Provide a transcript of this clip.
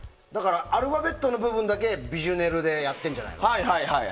アルファベットの部分だけヴィジュネルでやってるんじゃない？